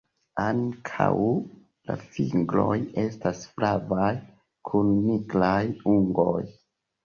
Ankaŭ la fingroj estas flavaj kun nigraj ungoj.